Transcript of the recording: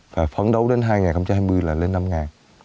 và phấn đấu đến hai nghìn hai mươi là lên năm ngàn